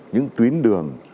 những tuyến đường